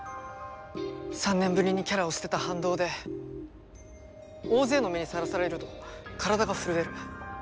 ３年ぶりにキャラを捨てた反動で大勢の目にさらされると体が震える。